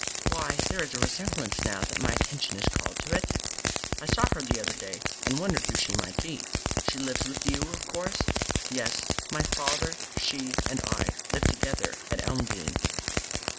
Why, there is a resemblance, now that my attention is called to it. I saw her the other day, and wondered who she might be. She lives with you, of course?" "Yes; my father, she, and I live together at Elmdene."